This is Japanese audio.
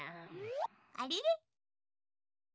あれれ？